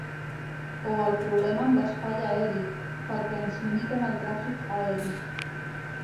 O el problema amb l’espai aeri, perquè ens limiten el tràfic aeri.